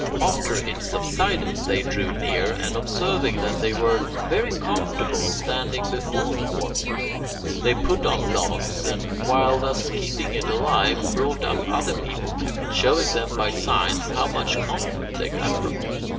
After it subsided, they drew near, and observing that they were very comfortable standing before the warm fire, they put on logs and, while thus keeping it alive, brought up other people to it, showing them by signs how much comfort they got from it.